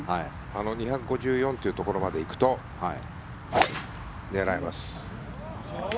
あの２５４というところまで行くと狙えます。